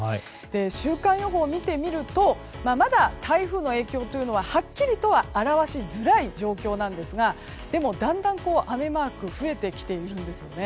週間予報を見てみるとまだ台風の影響ははっきりとは表しづらい状況なんですがでも、だんだん雨マークが増えてきているんですね。